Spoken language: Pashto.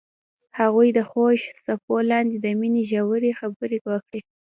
هغوی د خوږ څپو لاندې د مینې ژورې خبرې وکړې.